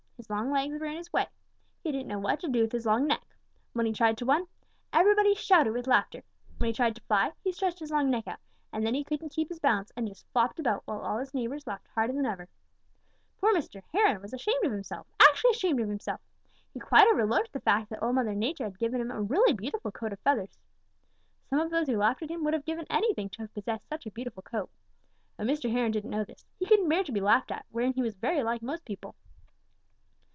His long legs were in his way. He didn't know what to do with his long neck. When he tried to run, everybody shouted with laughter. When he tried to fly, he stretched his long neck out, and then he couldn't keep his balance and just flopped about, while all his neighbors laughed harder than ever. Poor Mr. Heron was ashamed of himself, actually ashamed of himself. He quite overlooked the fact that Old Mother Nature had given him a really beautiful coat of feathers. Some of those who laughed at him would have given anything to have possessed such a beautiful coat. But Mr. Heron didn't know this. He couldn't bear to be laughed at, wherein he was very like most people.